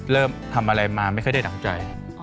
เริ่มทำอะไรมาไม่ค่อยได้ดั่งใจ